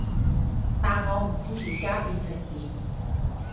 但我唔知而家變成點